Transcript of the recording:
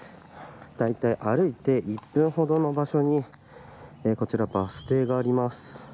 だいたい歩いて１分ほどの場所にこちらバス停があります。